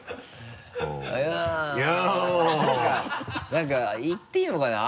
何か言っていいのかな？